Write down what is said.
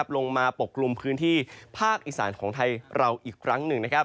ปกกลุ่มพื้นที่ภาคอีสานของไทยเราอีกครั้งหนึ่ง